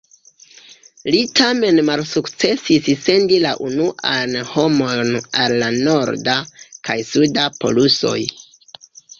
Li tamen malsukcesis sendi la unuajn homojn al la norda kaj suda polusoj.